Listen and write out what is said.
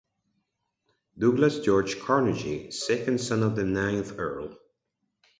Douglas George Carnegie, second son of the ninth Earl.